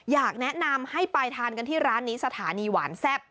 อยากแนะนำให้ไปทานกันที่ร้านนี้สถานีหวานแซ่บ